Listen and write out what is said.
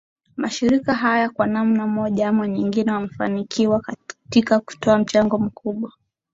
mashirika haya kwa namna moja ama nyingine yamefanikiwa katika kutoa mchango mkubwa